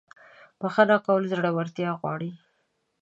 • بخښنه کول زړورتیا غواړي.